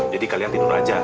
jadi kalian tidur aja